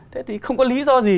thế thì không có lý do gì